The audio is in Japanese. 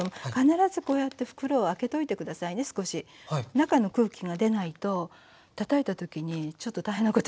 中の空気が出ないとたたいたときにちょっと大変なことになるので。